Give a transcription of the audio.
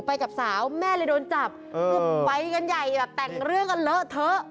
ไปกับสาวแม่เลยโดนจับคือไปกันใหญ่แบบแต่งเรื่องกันเลอะเทอะ